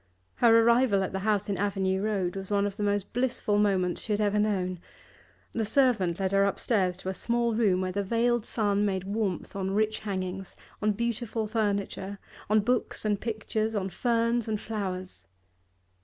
Her arrival at the house in Avenue Road was one of the most blissful moments she had ever known. The servant led her upstairs to a small room, where the veiled sun made warmth on rich hangings, on beautiful furniture, on books and pictures, on ferns and flowers.